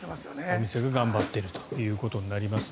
お店が頑張っているということになります。